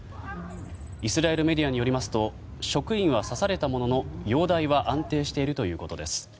イスラエルメディアによりますと職員は刺されたものの容体は安定しているということです。